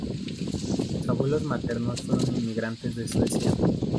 Sus abuelos maternos fueron inmigrantes de Suecia.